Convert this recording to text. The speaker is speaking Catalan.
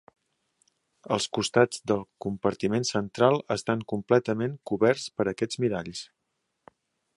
Els costats del compartiment central estan completament coberts per aquests miralls.